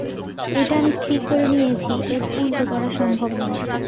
এটা আমি স্থির করে নিয়েছি, এর উল্টো করা সম্ভব নয়।